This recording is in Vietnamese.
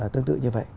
tương tự như vậy